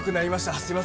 すいません。